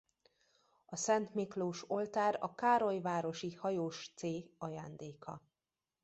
A Szent Miklós oltár a károlyvárosi hajós céh ajándéka.